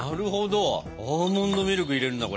アーモンドミルク入れるんだこれ。